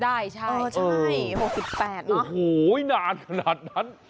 ได้ใช่เออใช่๖๘เนอะโอ้โหนานขนาดนั้นโอ้โหนานขนาดนั้น